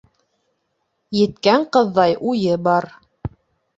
Еткән ҡыҙҙай уйы бар.